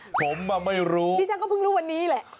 ผมอ่ะไม่รู้ดิฉันก็เพิ่งรู้วันนี้แหละผมอ่ะไม่รู้